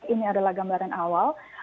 ini adalah gambaran awal